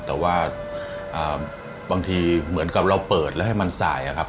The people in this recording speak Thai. แต่ว่าบางทีเหมือนกับเราเปิดแล้วให้มันสายอะครับ